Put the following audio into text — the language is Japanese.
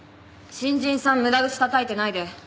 新人さん無駄口たたいてないで。